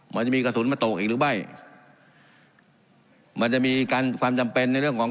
มันจะมีกระสุนมาตกอีกหรือไม่มันจะมีการความจำเป็นในเรื่องของ